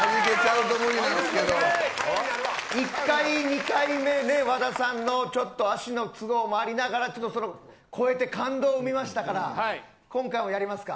１回２回目で和田さんの足の都合もありながら感動を生みましたから今回もやりますか。